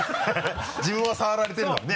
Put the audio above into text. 自分は触られてるのにね。